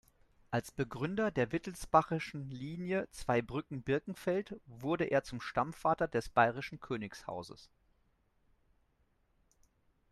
Als Begründer der wittelsbachischen Linie Zweibrücken-Birkenfeld wurde er zum Stammvater des bayerischen Königshauses.